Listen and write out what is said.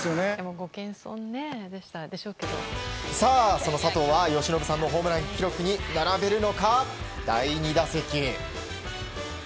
その佐藤は由伸さんのホームラン記録に並べるのか、第２打席。